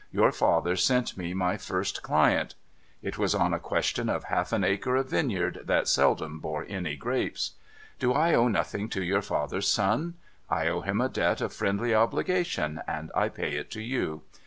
Your father sent me my first 558 NO THOROUGHFARE client. (It was on a question of half an acre of vineyard that seldom bore any grapes.) Do I owe nothing to your father's son ? I owe him a debt of friendly obligation, and I pay it to you.